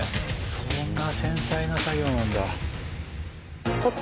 そんな繊細な作業なんだ。